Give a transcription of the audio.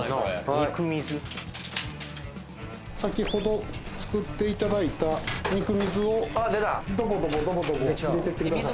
肉水先ほど作っていただいた肉水をドボドボドボドボ入れてってください